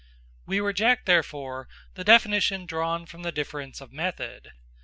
We reject, therefore, the definition drawn from the difference of method.